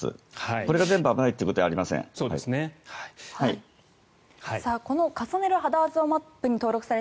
これが全部危ないということじゃありません。